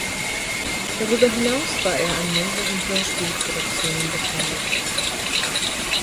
Darüber hinaus war er an mehreren Hörspielproduktionen beteiligt.